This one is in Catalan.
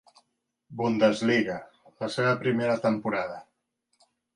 Bundesliga la seva primera temporada.